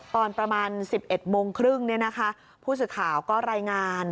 ตอนประมาณ๑๑โมงครึ่งผู้สื่อข่าวก็รายงาน